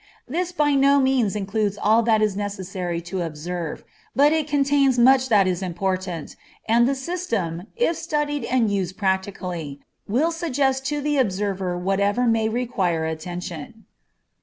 This by no means includes all that it is necessary to observe, but it contains much that is important, and the system, if studied and used practically, will suggest to the observer whatever may require attention.